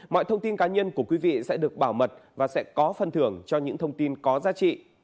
mọi thông tin cá nhân của quý vị sẽ được bảo mật và sẽ có phần thưởng cho những thông tin có giá trị